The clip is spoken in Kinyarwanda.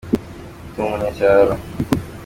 ndumunyacyaro